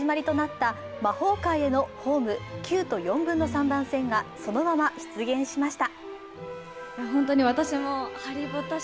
物語の始まりとなった、魔法界へのホーム９と４分の３番線がそのまま出現しました。